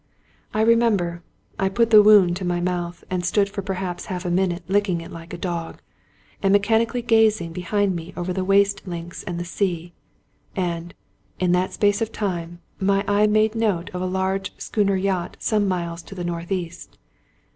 I remember, I put the wound to my mouthy and stood for perhaps half a minute licking it like a dog,, and mechanically gazing behind me over the waste links and the sea ; and, in that space of time, my eye made note of a large schooner yacht some miles to the northeast.